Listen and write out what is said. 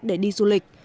để đi du lịch